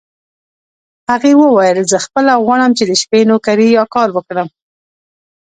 هغې وویل: زه خپله غواړم چې د شپې نوکري یا کار وکړم.